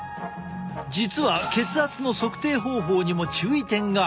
実は血圧の測定方法にも注意点がある。